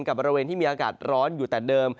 บริเวณที่มีอากาศร้อนอยู่แต่เดิม